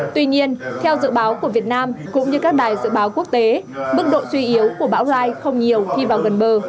tuy nhiên theo dự báo của việt nam cũng như các đài dự báo quốc tế mức độ suy yếu của bão gai không nhiều khi vào gần bờ